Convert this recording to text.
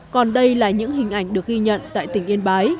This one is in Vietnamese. còn đây là những hình ảnh được ghi nhận tại tỉnh yên bái